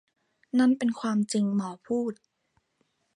นั่นเป็นความจริงหมอพูด